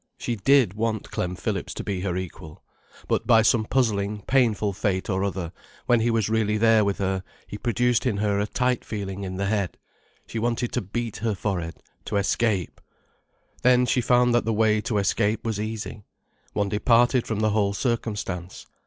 She did want Clem Phillips to be her equal. But by some puzzling, painful fate or other, when he was really there with her, he produced in her a tight feeling in the head. She wanted to beat her forehead, to escape. Then she found that the way to escape was easy. One departed from the whole circumstance.